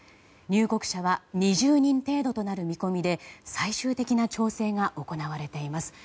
入国者は２０人程度となる見込みで最終的な調整が行われています。